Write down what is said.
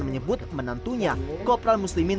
menyebut menantunya kopral muslimin